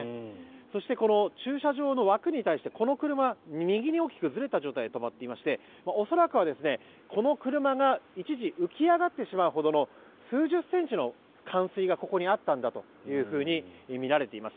そして、駐車場の枠に対してこの車、右に大きくずれた状態で止まっていまして恐らくは、この車が一時浮き上がってしまうほどの数十センチの冠水がここにあったんだというふうにみられています。